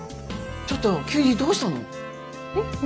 ちょっと急にどうしたの？